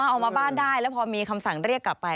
เอามาบ้านได้แล้วพอมีคำสั่งเรียกกลับไป